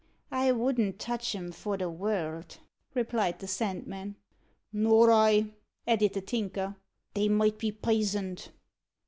"I wouldn't touch 'em for the world," replied the Sandman. "Nor I," added the Tinker; "they may be pisoned."